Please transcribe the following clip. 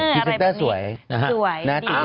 ดิจิกเตอร์สวยนะฮะ